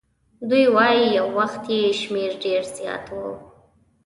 دوی وایي یو وخت یې شمیر ډېر زیات وو.